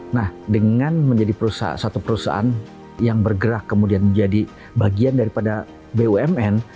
nah dengan menjadi satu perusahaan yang bergerak kemudian menjadi bagian daripada bumn